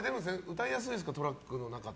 歌いやすいですかトラックの中って。